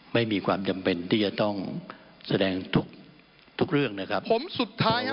ไม่มีความจำเป็นที่จะต้องแสดงทุกทุกเรื่องนะครับผมสุดท้ายฮะ